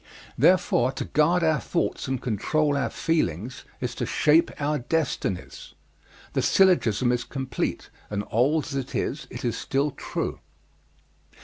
Therefore to guard our thoughts and control our feelings is to shape our destinies. The syllogism is complete, and old as it is it is still true.